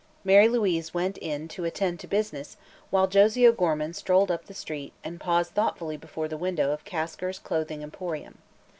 Mary Louise went in "to attend to business," while Josie O'Gorman strolled up the street and paused thoughtfully before the windows of Kasker's Clothing Emporium.